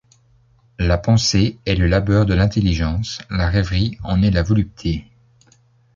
La pensée est le labeur de l’intelligence, la rêverie en est la volupté.